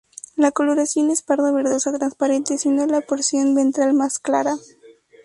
La coloración es pardo verdosa transparente siendo la porción ventral más clara.